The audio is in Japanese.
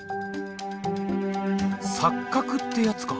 錯覚ってやつか。